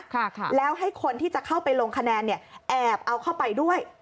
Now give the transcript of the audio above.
ค่ะแล้วให้คนที่จะเข้าไปลงคะแนนเนี่ยแอบเอาเข้าไปด้วย